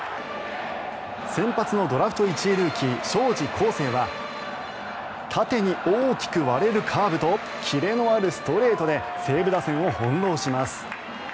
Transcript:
先発のドラフト１位ルーキー荘司康誠は縦に大きく割れるカーブとキレのあるストレートで西武打線を翻ろうします。